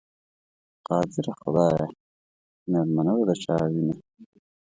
قادره خدایه، مېلمنه به د چا وینه؟